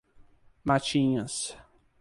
Matinhas